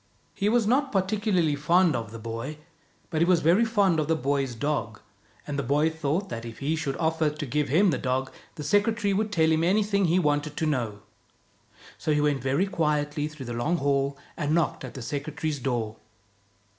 He was not particularly fond of the boy, but he was very fond of the boy's dog; and the boy thought that if he should offer to give him the dog, the secretary would tell him anything he wanted to know. So he went very quietly through the long hall, and knocked at the secretary's door.